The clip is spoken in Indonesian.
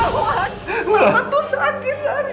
kamu tuh sakit seharian